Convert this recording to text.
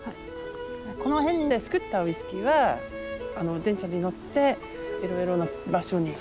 この辺で造ったウイスキーは電車に乗っていろいろな場所に運んで。